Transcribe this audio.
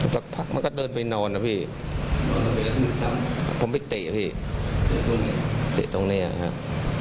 สักพักมันก็เดินไปนอนอ่ะพี่ผมไม่ติดอะพี่ติดตรงนี้อ่ะครับ